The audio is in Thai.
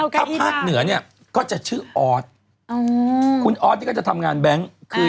ถ้าภาคเหนือเนี่ยก็จะชื่อออสคุณออสนี่ก็จะทำงานแบงค์